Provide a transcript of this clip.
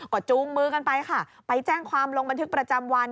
ก็จูงมือกันไปค่ะไปแจ้งความลงบันทึกประจำวัน